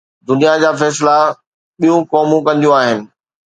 دنيا جا فيصلا ٻيون قومون ڪنديون آهن.